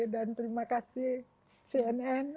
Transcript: dan terima kasih cnn